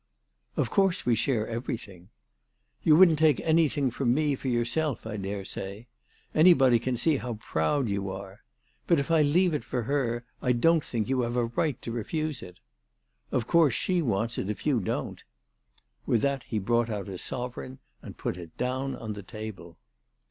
" Of course we share everything." " You wouldn't take anything from me for yourself I dare say. Anybody can see how proud you are. But if I leave it for her I don't think you have a right to refuse it. Of course she wants it if you don't." With that he brought out a sovereign and put it down on the table.